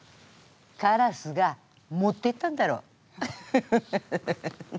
カラスが持っていったんだろ？